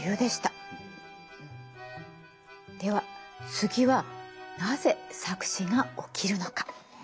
では次はなぜ錯視が起きるのか？